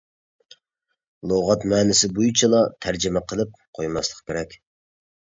لۇغەت مەنىسى بويىچىلا تەرجىمە قىلىپ قويماسلىق كېرەك.